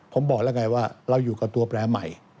ผมบอกแล้วไงว่าเราอยู่กับตัวแปรใหม่